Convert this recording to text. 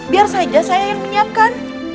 biar saja saya yang menyiapkan